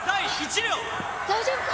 大丈夫か？